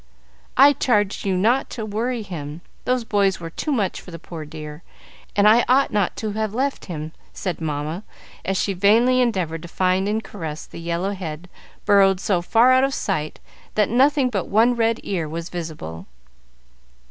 "I charged you not to worry him. Those boys were too much for the poor dear, and I ought not to have left him," said Mamma, as she vainly endeavored to find and caress the yellow head burrowed so far out of sight that nothing but one red ear was visible.